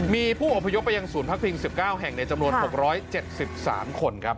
มีผู้อพยพไปยังศูนย์พักพิง๑๙แห่งในจำนวน๖๗๓คนครับ